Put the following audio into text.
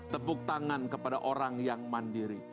tepuk tangan kepada orang yang mandiri